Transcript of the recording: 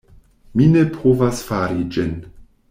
Mi ne povas fari ĝin.